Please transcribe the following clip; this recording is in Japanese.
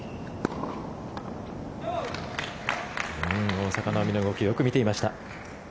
大坂なおみの動きをよく見ていました。